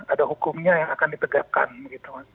ada hukumnya yang akan ditegakkan gitu